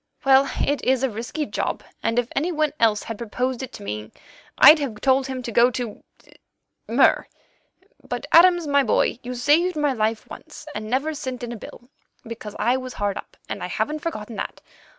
Well, it is a risky job, and if any one else had proposed it to me, I'd have told him to go to—Mur. But, Adams, my boy, you saved my life once, and never sent in a bill, because I was hard up, and I haven't forgotten that.